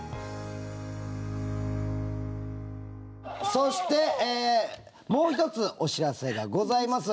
そしてもう１つお知らせがございます。